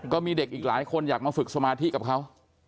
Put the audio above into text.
ก็มีเด็กอีกหลายคนอยากมาฝึกสมาธิกับเขา